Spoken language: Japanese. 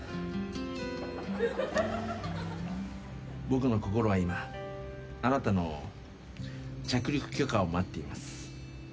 僕の心は今あなたの着陸許可を待っています。